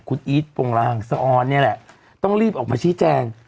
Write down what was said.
คุณอีทโปรงลางสะออนนี่แหละต้องรีบออกมาชี้แจง